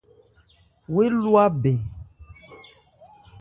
Wo élwa bɛ.